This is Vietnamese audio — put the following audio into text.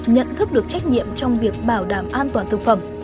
nhận thức được trách nhiệm trong việc bảo đảm an toàn thực phẩm